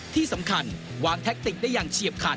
ที่สำคัญวางแท็กติกได้อย่างเฉียบขาด